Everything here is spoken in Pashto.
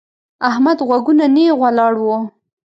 احمد غوږونه نېغ ولاړ وو.